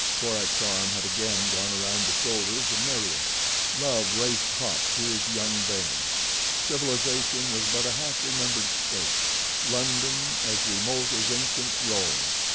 Korak's arm had again gone around the shoulders of Meriem. Love raced hot through his young veins. Civilization was but a half remembered state—London as remote as ancient Rome.